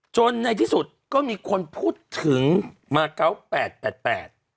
จนในที่สุดก็มีคนพูดถึงมาเกาะ๘๘๘